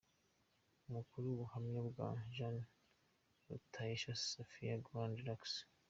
Amakuru y’ubuhamya bwa Jeanne tuyakesha Syfia-Grands-Lacs.